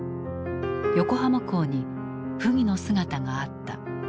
横浜港に溥儀の姿があった。